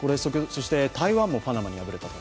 台湾もパナマに敗れたと。